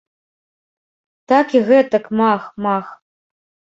Так і гэтак мах, мах!